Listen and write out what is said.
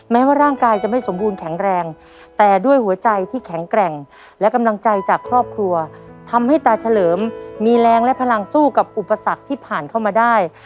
แม้ว่าร่างกายจะไม่สมบูรณ์แข็งแรงแต่ด้วยหัวใจที่แข็งแกร่งและกำลังใจจากครอบครัวทำให้ตาเฉลิมมีแรงและพลังสู้กับอุปสรรคที่ผ่านเข้ามาได้